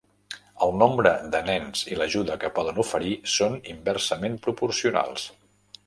El nombre de nens i l'ajuda que poden oferir són inversament proporcionals.